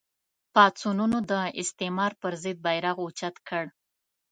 پاڅونونو د استعمار پر ضد بېرغ اوچت کړ